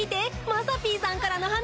まさぴーさんからの花。